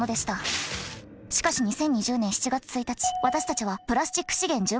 しかし２０２０年７月１日私たちはプラスチック資源循環戦略により